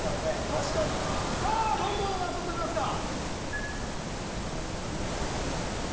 確かにさあどこのマスを取りますか？